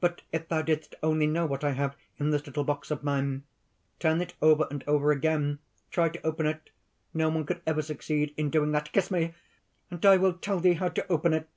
"But if thou didst only know what I have in this little box of mine! Turn it over and over again! try to open it! No one could ever succeed in doing that. Kiss me! and I will tell thee how to open it."